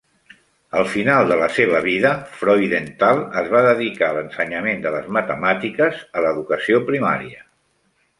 Al final de la seva vida, Freudenthal es va dedicar a l'ensenyament de les matemàtiques a l'educació primària.